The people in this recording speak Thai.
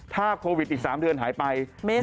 ถ้าโควิดอีก๓เดือนหายไป